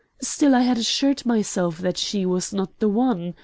Still I had assured myself that she was not the one.